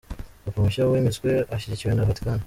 Papa mushya wimitswe ashyigikiwe na Vatikani